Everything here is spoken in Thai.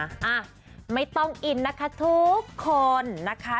อ่ะไม่ต้องอินนะคะทุกคนนะคะ